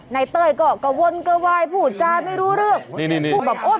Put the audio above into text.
นายเต้ยก็กะวนกะวายพูดจานไม่รู้เริ่มนี่นี่นี่พูดแบบโอ๊ย